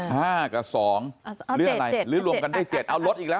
ห้ากับสองเอาเจ็ดเจ็ดเลือกอะไรเลือกรวมกันได้เจ็ดเอาลดอีกแล้ว